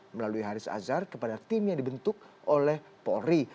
melalui haris azhar kepada tim yang dibentuk oleh polri